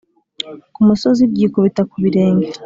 ku musozi ryikubita ku birenge